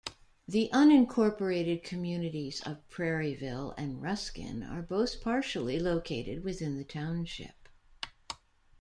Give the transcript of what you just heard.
The unincorporated communities of Prairieville and Ruskin are both partially located within the township.